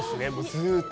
ずっと。